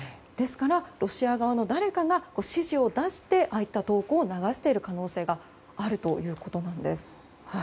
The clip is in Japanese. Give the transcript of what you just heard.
ロシア側の誰かが指示を出してああいった投稿を流している可能性があるということなんです。